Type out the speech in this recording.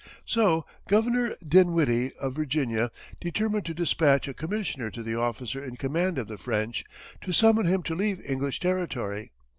So Governor Dinwiddie, of Virginia, determined to dispatch a commissioner to the officer in command of the French, to summon him to leave English territory.